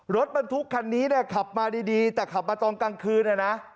รถบรรทุกคันนี้เนี่ยขับมาดีแต่ขับมาตอนกลางคืนนะ